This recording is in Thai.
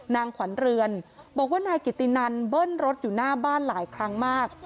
นางขวัญเรือนบอกว่านายกิตินันเบิ้ลรถอยู่หน้าบ้านหลายครั้งมาก